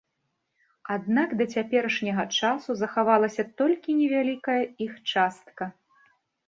Аднак да цяперашняга часу захавалася толькі невялікая іх частка.